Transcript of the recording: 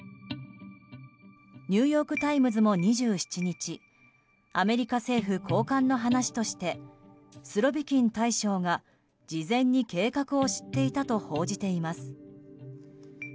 ニューヨーク・タイムズも２７日アメリカ政府高官の話としてスロビキン大将が事前に計画を知っていたと報じています。